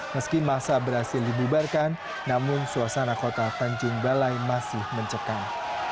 meski masa berhasil dibubarkan namun suasana kota tanjung balai masih mencekam